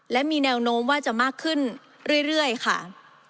และมีแนวโน้มว่าจะมากขึ้นเรื่อยค่ะ